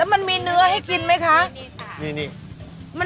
มันมีเนื้อให้กินไหมคะ